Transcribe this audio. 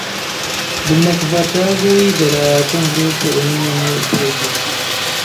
Dum la kvar tagoj de la kongreso oni ne nur preĝis.